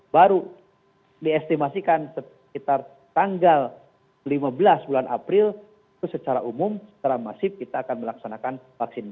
baru diestimasikan sekitar tanggal lima belas bulan april itu secara umum secara masif kita akan melaksanakan vaksin